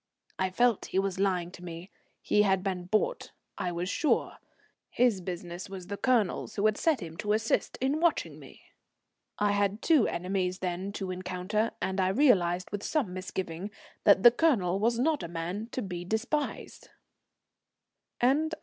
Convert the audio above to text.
I felt he was lying to me. He had been bought, I was sure. His business was the Colonel's, who had set him to assist in watching me. I had two enemies then to encounter, and I realized with some misgiving that the Colonel was not a man to be despised. CHAPTER IX.